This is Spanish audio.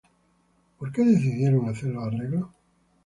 ¿Por qué decidieron hacer los arreglos?